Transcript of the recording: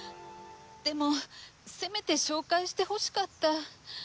でもせめて紹介してほしかった。